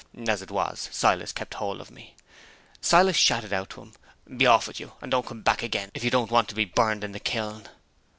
As it was, Silas kept hold of me. Silas shouted out to him, 'Be off with you! and don't come back again, if you don't want to be burned in the kiln!